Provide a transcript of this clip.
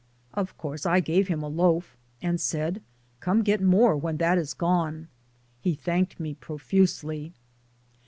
Of course I gave him a loaf, and said, "Come get more when that is gone." He thanked me profusely.